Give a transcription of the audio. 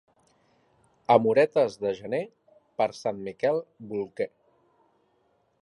Amoretes de gener, per Sant Miquel bolquer.